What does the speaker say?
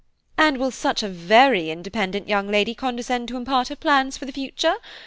"And will such a very independent young lady condescend to impart her plans for the future?